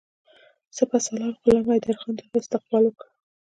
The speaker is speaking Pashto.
سپه سالار غلام حیدرخان د هغه استقبال وکړ.